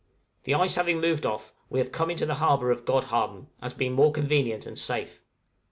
The ice having moved off, we have come into the harbor of Godhavn, as being more convenient and safe.